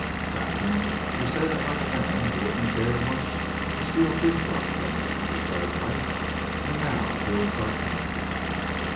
"Sampson, you say that like a man who wouldn't care much if Steele did drop some of them," declared Wright, and now he was sarcastic.